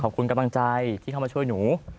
กำลังใจที่เข้ามาช่วยหนู